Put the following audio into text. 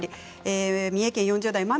三重県４０代の方。